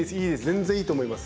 全然いいと思います！